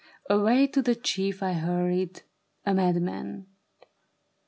Away to the chief I hurried, a madman.